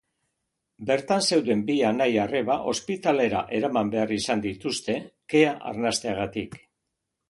Bertan zeuden bi anai-arreba ospitalera eraman behar izan dituzte kea arnasteagatik.